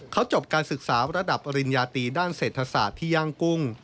เขาจบการศึกษาระดับปริญญาตีด้านเศรษฐศาสตร์ที่ย่างกุ้ง